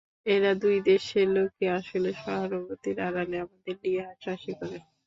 এরা দুই দেশের লোকই আসলে সহানুভূতির আড়ালে আমাদের নিয়ে হাসাহাসি করে।